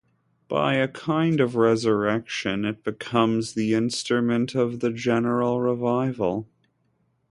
By a kind of resurrection it becomes the instrument of the general revival.